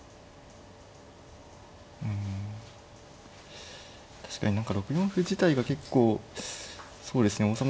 うん確かに何か６四歩自体が結構そうですね王様